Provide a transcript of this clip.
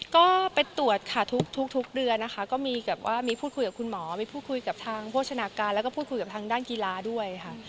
ก็ไปตรวจค่ะทุกเดือนนะคะก็มีแบบว่ามีพูดคุยกับคุณหมอมีพูดคุยกับทางโภชนาการแล้วก็พูดคุยกับทางด้านกีฬาด้วยค่ะ